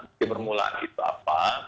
bukti permulaan itu apa